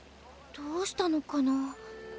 どうしたのかな？